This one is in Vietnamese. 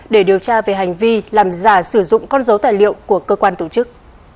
để điều tra về hành vi làm giả sử dụng con dấu tài liệu của cơ quan tổ chức